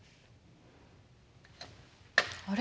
あれ？